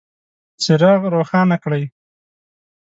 څراغ روښانه کړئ